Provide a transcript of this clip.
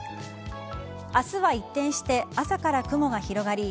明日は一転して朝から雲が広がり